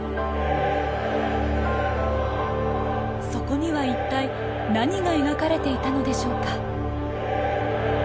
そこには一体何が描かれていたのでしょうか？